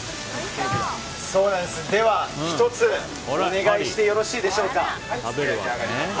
では、１つお願いしてよろしいでしょうか。